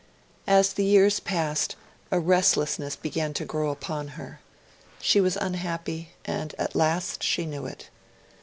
As the years passed, a restlessness began to grow upon her. She was unhappy, and at last she knew it.